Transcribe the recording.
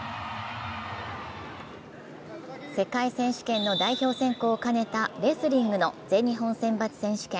世界選手権の代表選考を兼ねたレスリングの全日本選抜選手権。